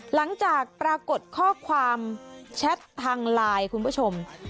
หลังจากปรากฏข้อความแชททางไลน์คุณผู้ชม